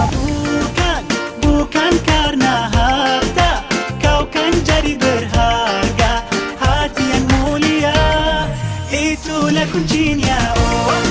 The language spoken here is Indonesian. hai bukan bukan karena harta kau karena harta kau bisa lihat suatu hal yang luar biasa